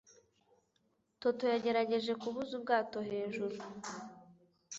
Toto yagerageje kubuza ubwato hejuru